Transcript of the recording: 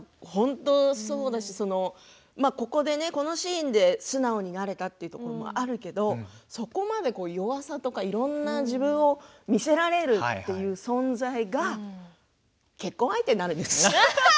ここで、このシーンで素直になれたということもあるけれどそこまで弱さとかいろいろな自分を見せられるという存在が結婚相手になるんですよね。